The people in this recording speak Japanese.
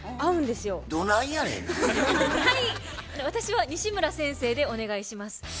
私は西村先生でお願いします。